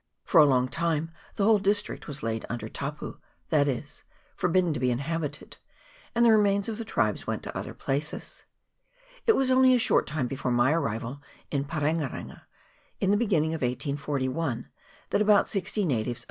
For a long time the whole district was laid under " tapu," that is, forbidden to be inhabited, and the remains of the tribes went to other places. It was only a short time before my arrival in Parenga renga, in the beginning of 1841, that about sixty natives of the CHAP, xii.